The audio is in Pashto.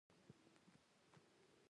سارا سترګې مه سرې کوه.